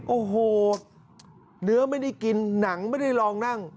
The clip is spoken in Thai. โอ้โหเนื้อไม่ได้กินหนังไม่ได้ลองนั่ง